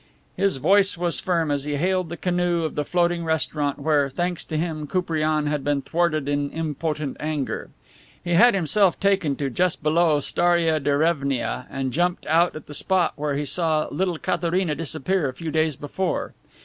His voice was firm as he hailed the canoe of the floating restaurant where, thanks to him, Koupriane had been thwarted in impotent anger. He had himself taken to just below Staria Derevnia and jumped out at the spot where he saw little Katharina disappear a few days before.